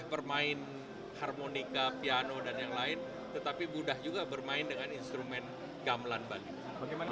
bermain harmonika piano dan yang lain tetapi mudah juga bermain dengan instrumen gamelan bali bagaimana